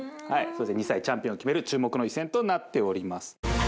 ２歳チャンピオンを決める注目の一戦となっております